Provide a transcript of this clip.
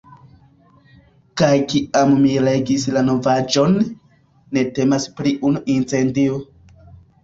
Kaj kiam mi legis la novaĵon, ne temas pri unu incendio.